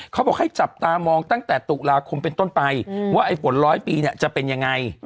เขาบอกให้จับตามองตั้งแต่ตุลาคมเป็นต้นไปว่าไอ้ฝนร้อยปีเนี่ยจะเป็นยังไง